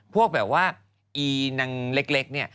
พวกแบบว่าอีนังเล็กเนี่ย